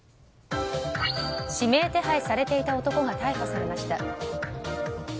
指名手配されていた男が逮捕されました。